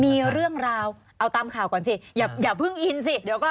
มีเรื่องราวเอาตามข่าวก่อนสิอย่าเพิ่งอินสิเดี๋ยวก็